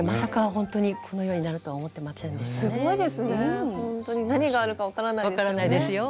ほんとに何があるか分からないですよね。